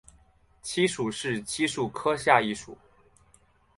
漆属是漆树科下一属。